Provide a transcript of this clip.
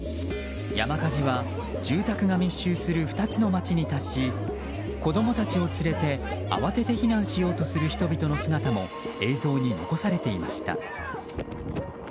山火事は住宅が密集する２つの町に達し子供たちを連れて、慌てて避難しようとする人々の姿も映像に残されていました。